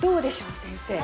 先生。